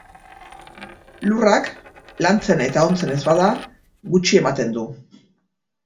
Lurrak, lantzen eta ontzen ez bada, gutxi ematen du.